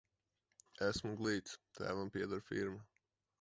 Esmu glīts, tēvam pieder firma.